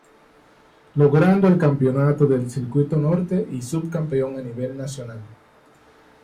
Logrando el campeonato del Circuito Norte y Sub-campeón a nivel nacional.